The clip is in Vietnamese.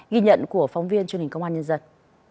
ghi nhận của phóng viên truyền hình công an nhân dân